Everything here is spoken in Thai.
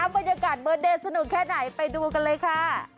บรรยากาศเบอร์เดย์สนุกแค่ไหนไปดูกันเลยค่ะ